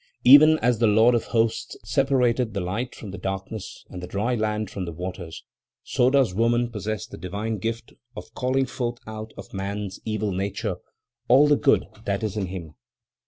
"Even as the Lord of Hosts separated the light from the darkness, and the dry land from the waters, so does woman possess the divine gift of calling forth out of man's evil nature all the good that is in him.